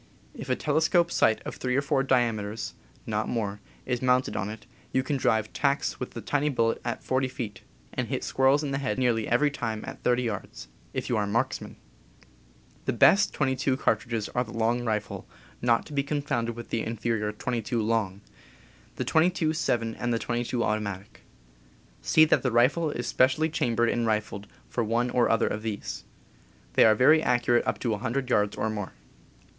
If a telescope sight of three or four diame ters (not more) is mounted on it, you can drive tacks with the tiny bullet at 40 feet, and hit squirrels in the head nearly every time at 30 yards — if you are a marks man. The best .22 cartridges are the Long Rifle (not to be confounded with the inferior .22 Long), the .22 7 and the .22 Automatic. See that the rifle is specially chambered and rifled for one or other of these. They are very accurate up to 100 yards or more.